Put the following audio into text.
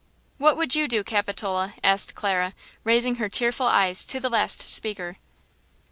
"What would you do, Capitola?" asked Clara, raising her tearful eyes to the last speaker.